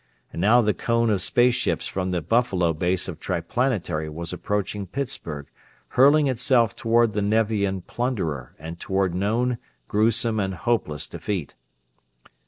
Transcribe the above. And now the cone of space ships from the Buffalo base of Triplanetary was approaching Pittsburgh, hurling itself toward the Nevian plunderer and toward known, gruesome and hopeless defeat.